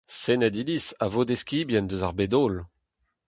Sened-Iliz a vod eskibien eus ar bed-holl.